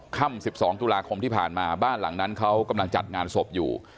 ค่ำ๑๒ตุลาคมที่ผ่านมาบ้านหลังนั้นเขากำลังจัดงานศพอยู่